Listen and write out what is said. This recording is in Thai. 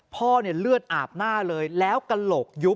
พ่อเนี่ยเลือดอาบหน้าเลยแล้วกระโหลกยุบ